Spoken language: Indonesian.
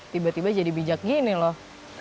tiba tiba jadi bijak gini loh